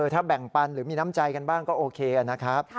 ถ้าแบ่งปันหรือมีน้ำใจกันบ้างก็โอเคนะครับ